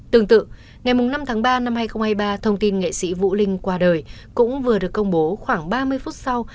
tương tự ngày năm tháng ba năm hai nghìn hai mươi ba thông tin nghệ sĩ vũ linh qua đời cũng vừa được công bố khoảng ba mươi phút sau